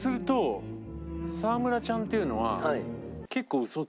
沢村ちゃんっていうのは。